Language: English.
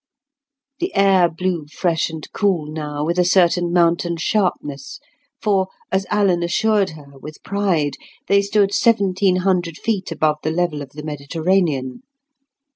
The air blew fresh and cool now with a certain mountain sharpness; for, as Alan assured her with pride, they stood seventeen hundred feet above the level of the Mediterranean.